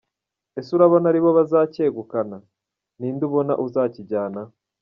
Ese urabona ari bo bazacyegukana? ni nde ubona uzakijyana?.